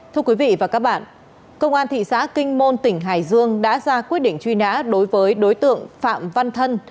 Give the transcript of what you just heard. thưa quý vị và các bạn công an thị xã kinh môn tỉnh hải dương đã ra quyết định truy nã đối với đối tượng phạm văn thân